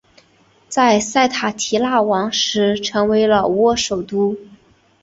在塞塔提腊王时成为老挝首都。